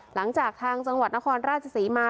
หลังจากทางสังวัติราชศรีนครราชอยู่มา